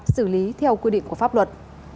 xử lý theo quy định của pháp luật